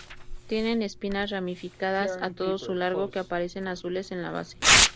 Tienen espinas ramificadas a todo su largo que aparecen azules en la base.